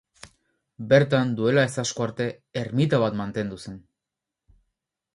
Bertan, duela ez asko arte, ermita bat mantendu zen.